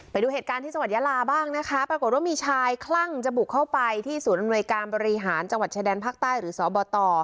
ไปดูเหตุการณ์ที่จังหวัดยาลาบ้างนะคะปรากฏว่ามีชายคลั่งจะบุกเข้าไปที่ศูนย์อำนวยการบริหารจังหวัดชายแดนภาคใต้หรือสบต